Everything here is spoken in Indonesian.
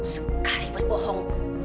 sekali berbohong tetap berbohong